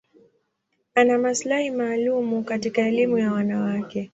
Ana maslahi maalum katika elimu ya wanawake.